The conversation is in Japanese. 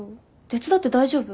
手伝って大丈夫？